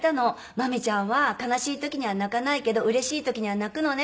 「真実ちゃんは悲しい時には泣かないけどうれしい時には泣くのね」